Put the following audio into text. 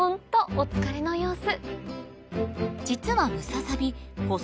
お疲れの様子